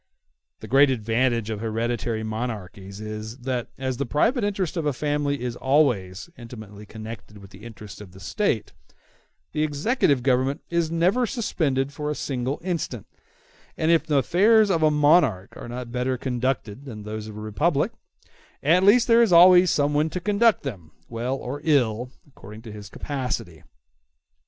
The great advantage of hereditary monarchies is, that as the private interest of a family is always intimately connected with the interests of the State, the executive government is never suspended for a single instant; and if the affairs of a monarchy are not better conducted than those of a republic, at least there is always some one to conduct them, well or ill, according to his capacity.